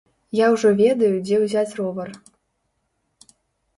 Я ўжо ведаю, дзе ўзяць ровар.